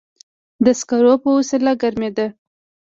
د سکرو په وسیله ګرمېده.